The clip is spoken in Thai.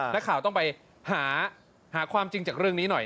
นักข่าวต้องไปหาความจริงจากเรื่องนี้หน่อย